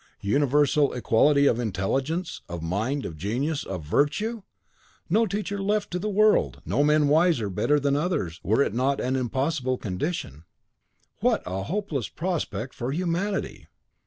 Universal equality of intelligence, of mind, of genius, of virtue! no teacher left to the world! no men wiser, better than others, were it not an impossible condition, WHAT A HOPELESS PROSPECT FOR HUMANITY!